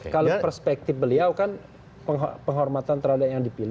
kalau perspektif beliau kan penghutang presiden itu berarti tidak ada perspektif yang berbeda